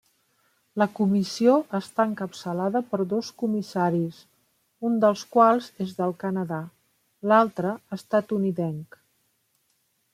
La Comissió està encapçalada per dos comissaris, un dels quals és del Canadà, l'altre estatunidenc.